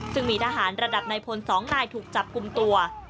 ซึ่งมีทหารระดับในพล๒นายถูกจับกลุ่มตัว